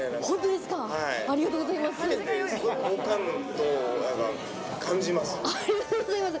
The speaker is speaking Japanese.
すごい好感度を感じます。